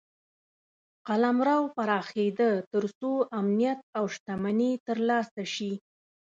قلمرو پراخېده تر څو امنیت او شتمني ترلاسه شي.